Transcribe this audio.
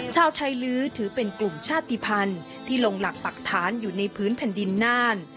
ชาวไทยลื้อถือเป็นกลุ่มชาติภัณฑ์ที่ลงหลักปรักฐานอยู่ในพื้นแผ่นดินน่าน